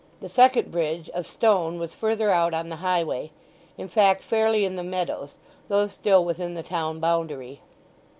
The second bridge, of stone, was further out on the highway—in fact, fairly in the meadows, though still within the town boundary.